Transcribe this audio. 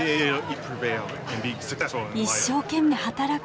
一生懸命働く。